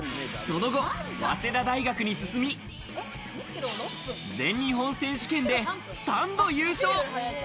その後、早稲田大学に進み、全日本選手権で３度優勝。